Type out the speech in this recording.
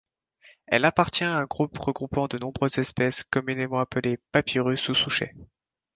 Elle appartient à un groupe regroupant de nombreuses espèces communément appelées papyrus ou souchets.